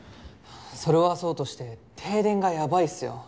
それはそうとして停電がやばいっすよ。